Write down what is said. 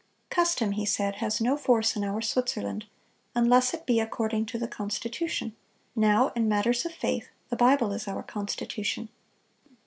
"Custom," he said, "has no force in our Switzerland, unless it be according to the constitution; now, in matters of faith, the Bible is our constitution."